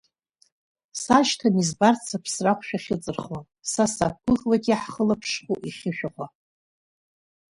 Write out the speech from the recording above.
Сашьҭам избарц, аԥсра ахәшә ахьыҵырхуа, са сақәгәыӷуеит, иаҳхылаԥшхәу ихьы шәахәа.